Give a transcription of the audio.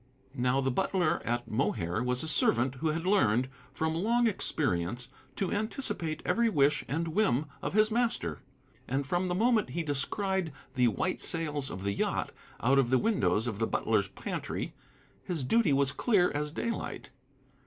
Now the butler at Mohair was a servant who had learned, from long experience, to anticipate every wish and whim of his master, and from the moment he descried the white sails of the yacht out of the windows of the butler's pantry his duty was clear as daylight.